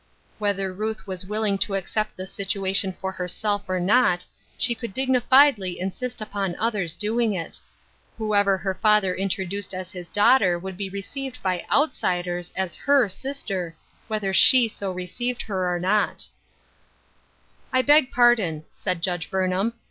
Whether Ruth was willing to accept the situar tion for hijrself or not, she could dignifiedly insist upon others doing it. Whoever her fathei introduced as his daughter should be re(.eived by iutsiders as her sister, whether she so received her or not. From Different Standpoints. 99 *' I beg pardon," said Judge Burnham.